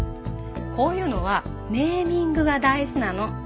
こういうのはネーミングが大事なの。